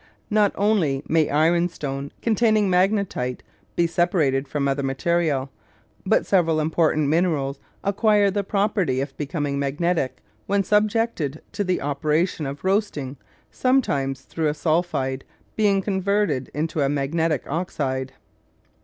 Not only may ironstone containing magnetite be separated from other material, but several important minerals acquire the property of becoming magnetic when subjected to the operation of roasting, sometimes through a sulphide being converted into a magnetic oxide.